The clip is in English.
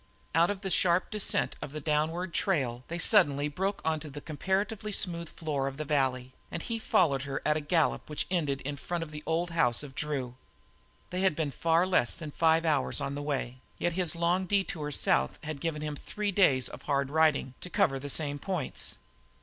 Out of the sharp descent of the downward trail they broke suddenly onto the comparatively smooth floor of the valley, and he followed her at a gallop which ended in front of the old house of Drew. They had been far less than five hours on the way, yet his long detour to the south had given him three days of hard riding to cover the same points.